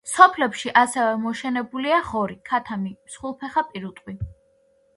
სოფლებში ასევე მოშენებულია ღორი, ქათამი, მსხვილფეხა პირუტყვი.